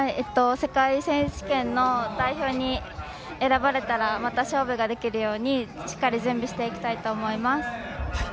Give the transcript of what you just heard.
世界選手権の代表に選ばれたらまた勝負ができるように、しっかり準備していきたいと思います。